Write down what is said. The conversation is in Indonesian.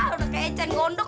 udah ke ecen gondok